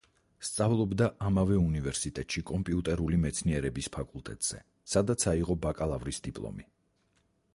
სწავლობდა ამავე უნივერსიტეტში, კომპიუტერული მეცნიერების ფაკულტეტზე, სადაც აიღო ბაკალავრის დიპლომი.